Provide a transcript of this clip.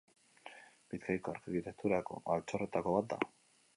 Bizkaiko arkitekturako altxorretako bat da.